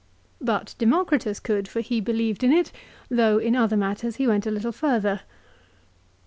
But Democritus could, for he believed in it, though in other matters be went a little further!